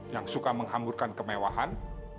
yang suka menghamburkan kemewahan